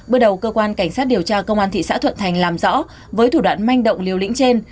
bước đầu cơ quan cảnh sát điều tra công an thị xã thuận thành làm rõ với thủ đoạn manh động liều lĩnh trên